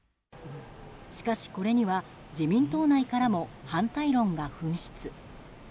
しかし、これには自民党内からも反対論が噴出。